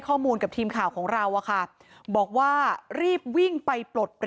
ข้อมูลกับทีมข่าวของเราอะค่ะบอกว่ารีบวิ่งไปปลด